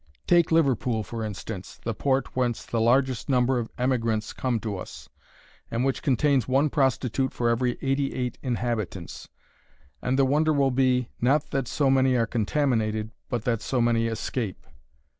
Take Liverpool, for instance, the port whence the largest number of emigrants come to us, and which contains one prostitute for every eighty eight inhabitants, and the wonder will be, not that so many are contaminated, but that so many escape.